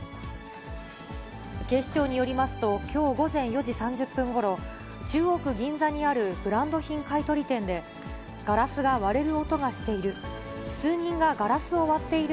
警視庁によりますと、きょう午前４時３０分ごろ、中央区銀座にあるブランド品買い取り店で、ガラスが割れる音がしている。